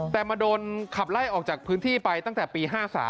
แต่มาโดนขับไล่ออกจากพื้นที่ไปตั้งแต่ปี๕๓